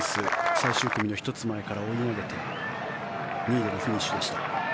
最終組の１つ前から追い上げて２位でのフィニッシュでした。